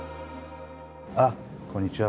あっこんにちは